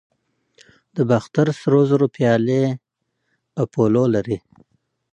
د باختر سرو زرو پیالې اپولو لري